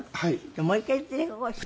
もう一回やって頂こうかしら。